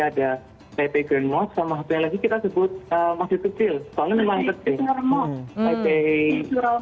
ada taipei grand mosque sama yang lagi kita sebut mahkamah